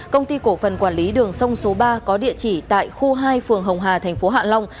công ty cổ phần quản lý đường sông số ba có địa chỉ tại khu hai phường hồng hà thành phố hạ long